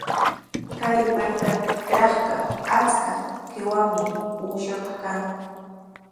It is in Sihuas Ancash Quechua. Kay markatrawqa achka qiwami uushapaq kan.